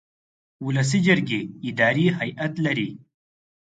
ولسي جرګې اداري هیئت لري.